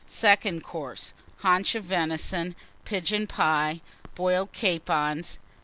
Second Course. Haunch of Venison. Pigeon Pie. Boiled Capons.